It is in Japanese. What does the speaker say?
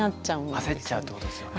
焦っちゃうってことですよね。